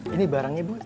ini barangnya bu